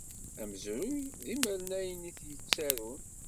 Amezruy d imernayen i t-yettarun.